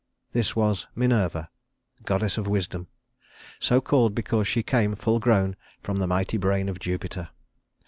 This was Minerva, goddess of wisdom, so called because she came full grown from the mighty brain of Jupiter.